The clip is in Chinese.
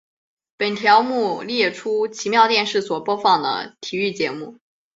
本条目列出奇妙电视所播放的体育节目。